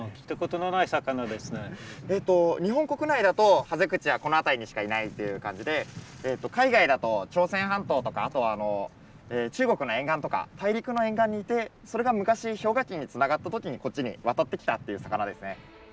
日本国内だとハゼクチはこの辺りにしかいないっていう感じで海外だと朝鮮半島とかあと中国の沿岸とか大陸の沿岸にいてそれが昔氷河期につながった時にこっちに渡ってきたっていう魚ですね。